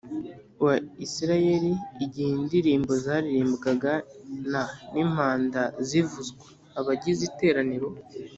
Wa isirayeli igihe indirimbo zaririmbwaga n n impanda zivuzwa abagize iteraniro